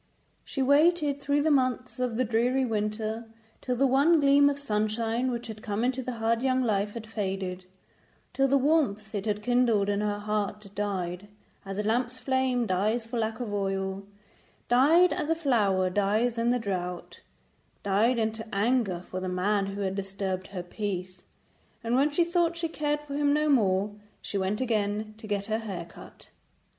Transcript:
She waited through the months of the dreary winter till the one gleam of sunshine which had come into her hard young life had faded, till the warmth it had kindled in her heart died as a lamp's flame dies for lack of oil; died as a flower dies in the drought; died into anger for the man who had disturbed her peace, and when she thought she cared for him no more she went again to get her hair cut.